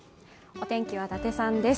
お天気は達さんです